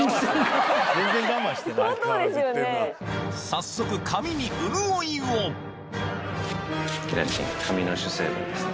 早速髪に潤いをえ！